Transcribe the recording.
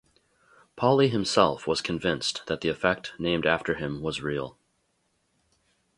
Pauli himself was convinced that the effect named after him was real.